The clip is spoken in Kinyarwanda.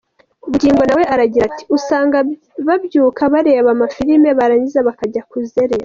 Bugingo nawe aragira ati ’’Usanga babyuka bareba amafilime, barangiza bakajya kuzerera.